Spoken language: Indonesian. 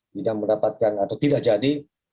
tidak mendapatkan atau tidak jadi